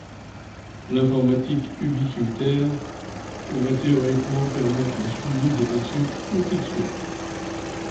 L'informatique ubiquitaire pourrait théoriquement permettre un suivi des patients où qu'ils soient.